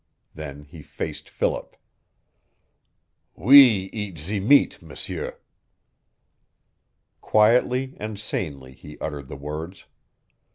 Then he faced Philip. "We eat ze meat, m'sieu!" Quietly and sanely he uttered the words.